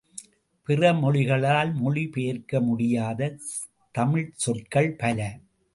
பிற மொழிகளால் மொழி பெயர்க்க முடியாத தமிழ்ச் சொற்கள் பல.